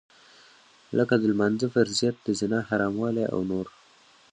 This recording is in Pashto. لکه د لمانځه فرضيت د زنا حراموالی او نور.